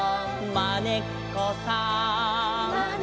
「まねっこさん」